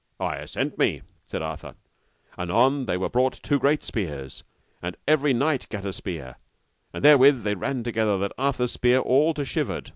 I assent me, said Arthur. Anon there were brought two great spears, and every knight gat a spear, and therewith they ran together that Arthur's spear all to shivered.